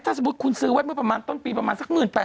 ถ้าสมมุติคุณซื้อไว้เมื่อประมาณต้นปีประมาณสัก๑๘๐๐